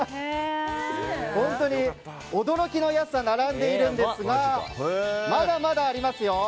本当に驚きの安さが並んでいるんですがまだまだありますよ。